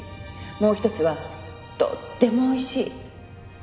もう１つはとってもおいしい。